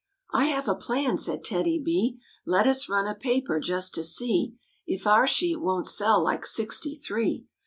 " I have a plan," said TEDDY B, " Let us run a paper just to see If our sheet won't sell like sixty three.